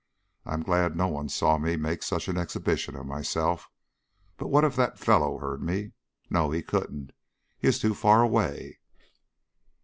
I'm glad no one saw me make such an exhibition of myself. But what if that fellow heard me? No, he couldn't. He is too far away."